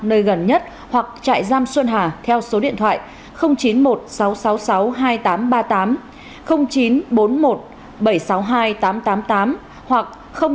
nơi gần nhất hoặc trại giam xuân hà theo số điện thoại chín mươi một sáu trăm sáu mươi sáu hai nghìn tám trăm ba mươi tám chín trăm bốn mươi một bảy trăm sáu mươi hai tám trăm tám mươi tám hoặc hai trăm ba mươi chín ba trăm tám mươi bốn năm nghìn bốn trăm ba mươi tám